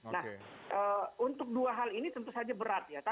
nah untuk dua hal ini tentu saja berat ya